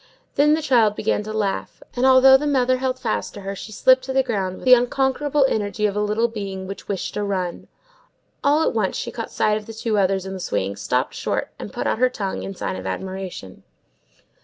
Then the child began to laugh; and although the mother held fast to her, she slipped to the ground with the unconquerable energy of a little being which wished to run. All at once she caught sight of the two others in the swing, stopped short, and put out her tongue, in sign of admiration.